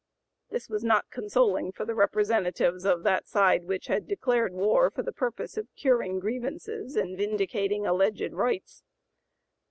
This was not consoling for the representatives of that side which had declared war for the purpose of curing grievances and vindicating alleged rights.